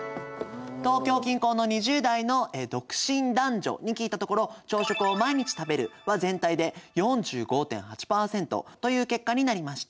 東京近郊の２０代の独身男女に聞いたところ朝食を「毎日食べる」は全体で４５．８％という結果になりました。